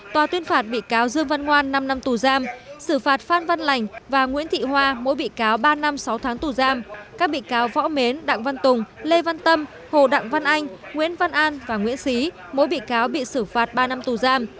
tòa tuyên phạt bị cáo dương văn ngoan năm năm tù giam xử phạt phan văn lành và nguyễn thị hoa mỗi bị cáo ba năm sáu tháng tù giam các bị cáo võ mến đặng văn tùng lê văn tâm hồ đặng văn anh nguyễn văn an và nguyễn xí mỗi bị cáo bị xử phạt ba năm tù giam